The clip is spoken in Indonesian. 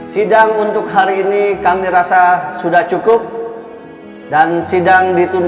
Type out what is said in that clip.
sidang untuk hari ini kami rasa sudah cukup dan sidang ditunda